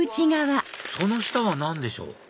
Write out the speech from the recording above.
その下は何でしょう？